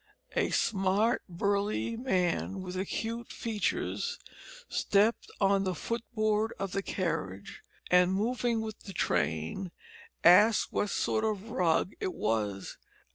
A smart burly man, with acute features, stepped on the footboard of the carriage, and, moving with the train, asked what sort of rug it was.